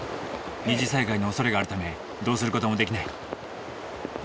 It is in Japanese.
二次災害のおそれがあるためどうする事もできない。